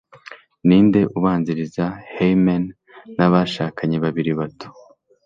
ninde ubanziriza hymen yabashakanye babiri bato